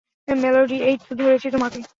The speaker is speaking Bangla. মেলোডি, এইতো ধরেছি তোমাকে।